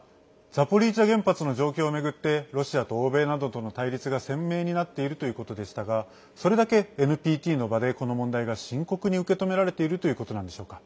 ザポリージャ原発の状況を巡ってロシアと欧米などとの対立が鮮明になっているということでしたがそれだけＮＰＴの場でこの問題が深刻に受け止められているということなんでしょうか。